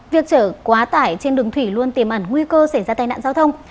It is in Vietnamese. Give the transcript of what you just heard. việc trở quá tải trên đường thủy luôn tìm ẩn nguy cơ xảy ra tai nạn giao thông